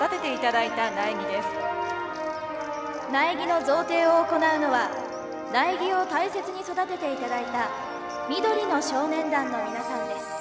苗木の贈呈を行うのは苗木を大切に育てていただいた緑の少年団の皆さんです。